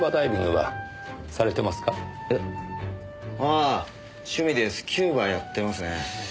ああ趣味でスキューバやってますね。